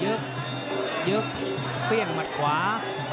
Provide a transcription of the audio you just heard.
ยึกยึกเพลี่ยงมัดขวา